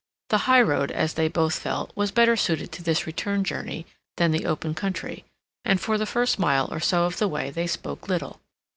The high road, as they both felt, was better suited to this return journey than the open country, and for the first mile or so of the way they spoke little.